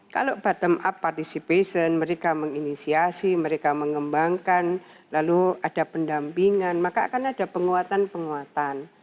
kalau bottom up participation mereka menginisiasi mereka mengembangkan lalu ada pendampingan maka akan ada penguatan penguatan